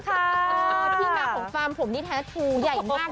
ที่มาของฟาร์มผมนี่แท้ทูใหญ่มาก